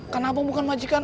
kenapa bukan majikan